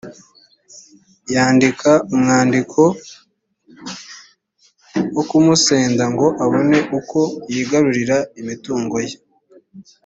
yandika urwandiko rwo kumusenda ngo abone uko yigarurira imitungo ye